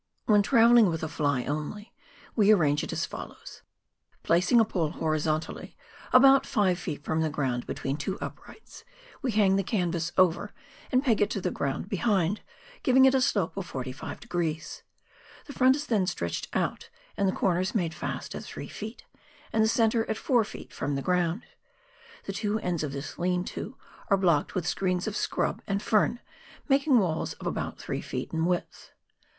"When travelling with a " fly " only, we arrange it as follows :— Placing a pole horizontally, about five feet from the ground between two uprights, we hang the canvas over, and peg it to the ground behind, giving it a slope of 45*^. The front is then stretched out, and the corners made fast at three feet, and the centre at four feet from the ground. The two ends of this "lean to" are blocked with screens of scrub and fern, making walls of about three feet in width.